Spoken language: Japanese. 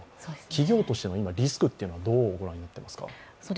企業としてのリスクっていうのはどうご覧になっていますか？